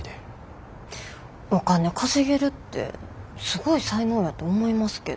お金稼げるってすごい才能やと思いますけど。